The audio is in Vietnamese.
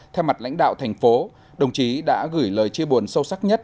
theo mặt lãnh đạo thành phố đồng chí đã gửi lời chia buồn sâu sắc nhất